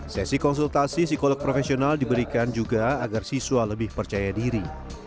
sesi konsultasi psikolog profesional diberikan juga agar siswa lebih percaya diri